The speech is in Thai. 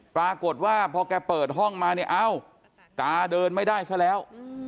ปรากฏว่าพอแกเปิดห้องมาเนี่ยเอ้าตาเดินไม่ได้ซะแล้ว